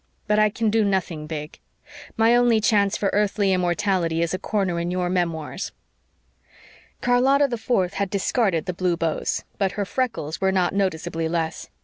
But I can do nothing big. My only chance for earthly immortality is a corner in your Memoirs." Charlotta the Fourth had discarded the blue bows but her freckles were not noticeably less.